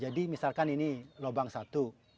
jadi misalkan ini lubang satu